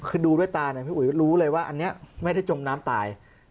คือดูด้วยตาเนี่ยพี่อุ๋ยรู้เลยว่าอันนี้ไม่ได้จมน้ำตาย